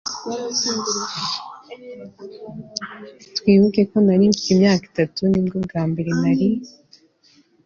twibuke ko nari mfite imyaka itatu nibwo bwambere nari